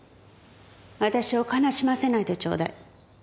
私を悲しませないでちょうだい。